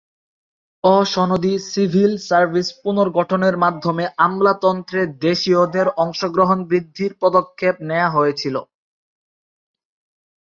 অ-সনদী civil service পুনর্গঠনের মাধ্যমে আমলাতন্ত্রে দেশিয়দের অংশগ্রহণ বৃদ্ধির পদক্ষেপ নেয়া হয়েছিল।